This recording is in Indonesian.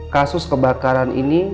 kasus kebakaran ini